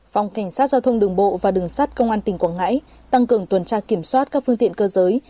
phòng cảnh sát giao thông đường bộ và đường sắt công an tỉnh quảng ngãi tăng cường tuần tra kiểm soát các phương tiện cơ giới